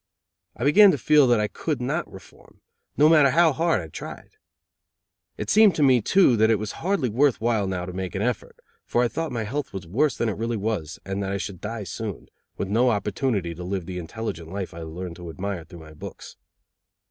I began to feel that I could not reform, no matter how hard I tried. It seemed to me, too, that it was hardly worth while now to make an effort, for I thought my health was worse than it really was and that I should die soon, with no opportunity to live the intelligent life I had learned to admire through my books.